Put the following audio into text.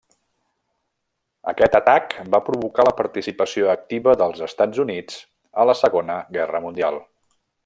Aquest atac va provocar la participació activa dels Estats Units a la Segona Guerra Mundial.